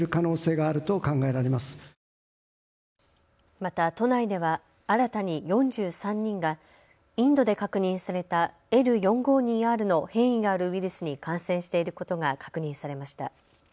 また都内では新たに４３人がインドで確認されたＬ４５２Ｒの変異があるウイルスに感染していることが確認されました。